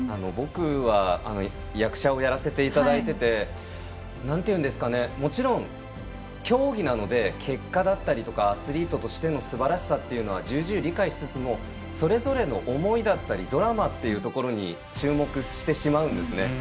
僕は役者をやらせていただいていてもちろん、競技なので結果だったりとかアスリートとしてのすばらしさは重々理解しつつもそれぞれの思いだったりドラマというところに注目してしまうんですね。